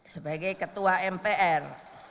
sebagai ketua mpr